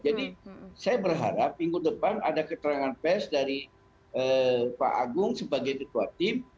jadi saya berharap minggu depan ada keterangan pes dari pak agung sebagai ketua tim